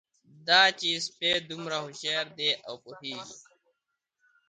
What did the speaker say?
دا چي سپی دومره هوښیار دی او پوهېږي,